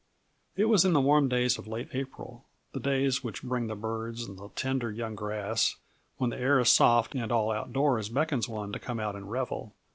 It was in the warm days of late April the days which bring the birds and the tender, young grass, when the air is soft and all outdoors beckons one to come out and revel.